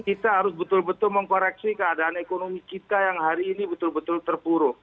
kita harus betul betul mengkoreksi keadaan ekonomi kita yang hari ini betul betul terpuruk